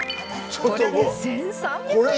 これで１３００円。